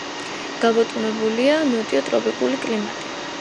გაბატონებულია ნოტიო ტროპიკული კლიმატი.